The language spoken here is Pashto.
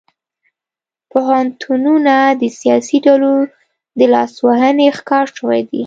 پوهنتونونه د سیاسي ډلو د لاسوهنې ښکار شوي دي